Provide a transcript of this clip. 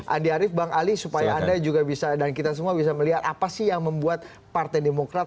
andi arief bang ali supaya anda juga bisa dan kita semua bisa melihat apa sih yang membuat partai demokrat